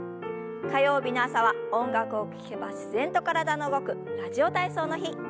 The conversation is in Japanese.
火曜日の朝は音楽を聞けば自然と体の動く「ラジオ体操」の日。